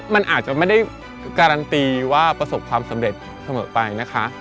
มันอาจจะไม่ได้การันตีว่าประสบความสำเร็จเสมอไปนะคะ